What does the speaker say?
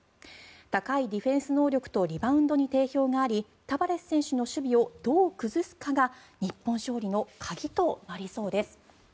高いディフェンス能力とリバウンドに定評がありタバレス選手の守備をどう崩すかが日本勝利の鍵となりそうです。